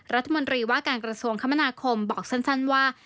รัฐมนตรีว่าการกระทรวงคมนาคมบอกสั้นว่า